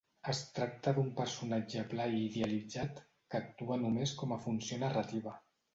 Es tracta d'un personatge pla i idealitzat, que actua només com a funció narrativa.